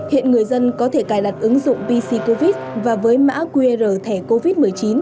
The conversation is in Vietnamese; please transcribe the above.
hiện người dân có thể cài đặt ứng dụng pc covid và với mã qr thẻ covid một mươi chín